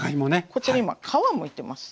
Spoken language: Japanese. こちら今皮をむいてます。